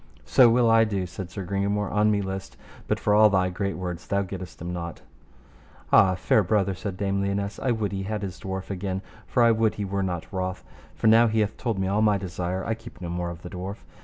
So will I do, said Sir Gringamore, an me list, but for all thy great words thou gettest him not. Ah! fair brother, said Dame Lionesse, I would he had his dwarf again, for I would he were not wroth, for now he hath told me all my desire I keep no more of the dwarf.